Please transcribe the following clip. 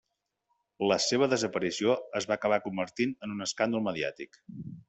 La seva desaparició es va acabar convertint en un escàndol mediàtic.